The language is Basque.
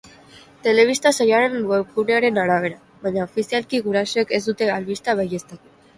Telebista-saioaren webgunearen arabera, baina ofizialki gurasoek ez dute albistea baieztatu.